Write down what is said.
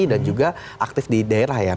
dan juga aktif di daerah